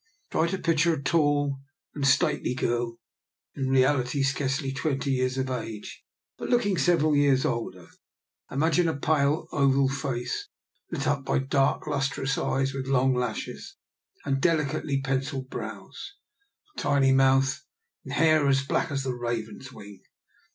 Try to picture a tall and stately girl, in reality scarcely twenty years of age, but look ing several years older. Imagine a pale, oval face, lit up by dark lustrous eyes with long lashes and delicately pencilled brows, a tiny mouth, and hair as black as the raven's wing.